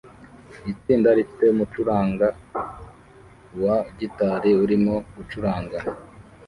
Itsinda rifite umucuranga wa gitari urimo gucuranga